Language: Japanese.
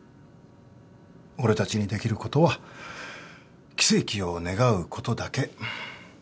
俺たちにできることは奇跡を願うことだけ。